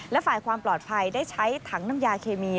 และฝ่ายความปลอดภัยได้ใช้ถังน้ำยาเคมี